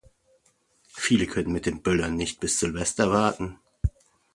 Viele können mit dem Böllern nicht bis Silvester warten.